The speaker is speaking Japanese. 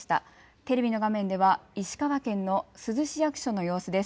テレビの画面では石川県の珠洲市役所の様子です。